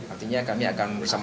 artinya kami akan mengembangkan